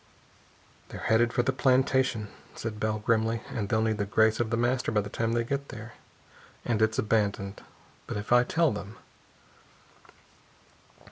"They're headed for the plantation," said Bell grimly, "and they'll need the grace of The Master by the time they get there. And it's abandoned. But if I tell them...."